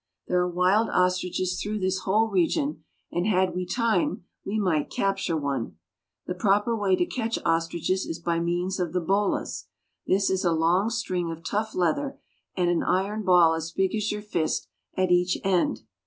There are wild ostriches through this whole region, and had we time we might capture one. The proper way to catch ostriches is by means of the bolas. This is a long string of tough leather, with an iron ball as big as your fist at each end.